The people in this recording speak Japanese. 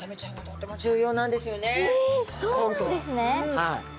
はい。